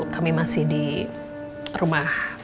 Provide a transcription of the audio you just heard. kami masih di rumah